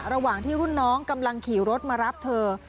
ระหว่างที่รุ่นน้องกำลังขี่รถมารับเธอ